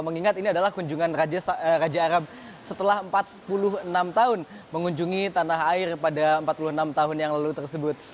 mengingat ini adalah kunjungan raja arab setelah empat puluh enam tahun mengunjungi tanah air pada empat puluh enam tahun yang lalu tersebut